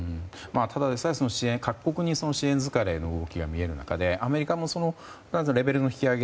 ただでさえ各国に支援疲れの動きがみられる中でアメリカもレベルの引き上げ